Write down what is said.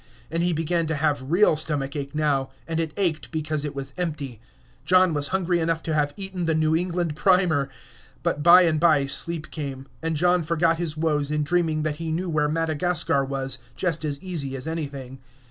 And he began to have real stomach ache now; and it ached because it was empty. John was hungry enough to have eaten the New England Primer. But by and by sleep came, and John forgot his woes in dreaming that he knew where Madagascar was just as easy as anything.